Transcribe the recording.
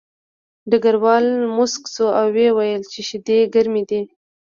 ډګروال موسک شو او ویې ویل چې شیدې ګرمې دي